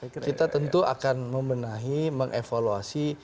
kita tentu akan membenahi mengevaluasi